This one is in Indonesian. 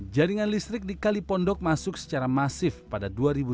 jaringan listrik di kalipondok masuk secara masif pada dua ribu tujuh belas